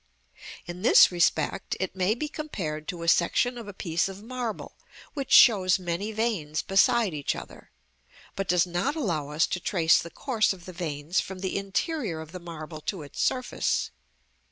In this respect it may be compared to a section of a piece of marble which shows many veins beside each other, but does not allow us to trace the course of the veins from the interior of the marble to its surface.